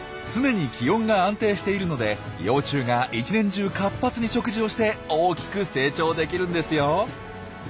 常に気温が安定しているので幼虫が一年中活発に食事をして大きく成長できるんですよ。